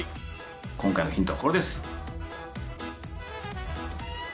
今回のヒントはこれです。